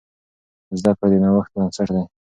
زده کړه د نوښت بنسټ دی.